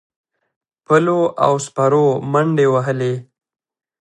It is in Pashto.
پلو او سپرو منډې وهلې.